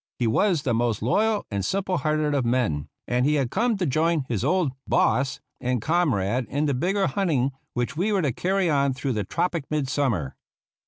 He was the most loyal and simple hearted of men, and he had come to join his old " boss " and comrade in the bigger hunting which we were to carry on through the tropic mid summer.